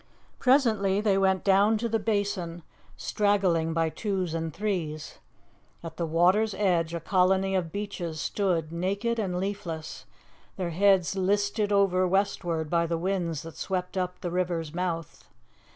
Presently they went down to the Basin, straggling by twos and threes. At the water's edge a colony of beeches stood naked and leafless, their heads listed over westward by the winds that swept up the river's mouth.